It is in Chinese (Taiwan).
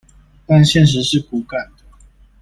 但現實是骨感的